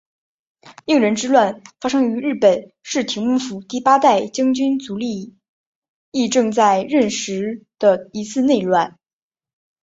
应仁之乱发生于日本室町幕府第八代将军足利义政在任时的一次内乱。